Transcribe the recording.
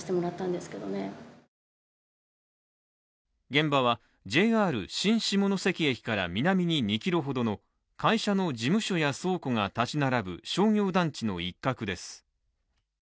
現場はＪＲ新下関駅から南に２ｋｍほどの会社の事務所や倉庫が建ち並ぶ商業団地の一角です。